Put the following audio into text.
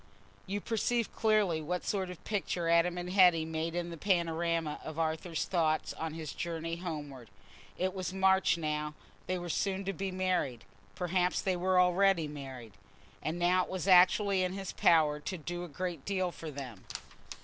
You perceive clearly what sort of picture Adam and Hetty made in the panorama of Arthur's thoughts on his journey homeward. It was March now; they were soon to be married: perhaps they were already married. And now it was actually in his power to do a great deal for them.